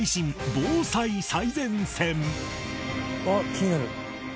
「気になる」